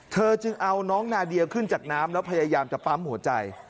เธอจึงเอาน้องนาเดียขึ้นจากน้ำแล้วพยายามจะปั๊มหัวใจ